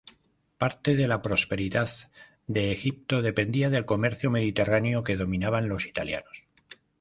Parte de la prosperidad de Egipto dependía del comercio mediterráneo que dominaban los italianos.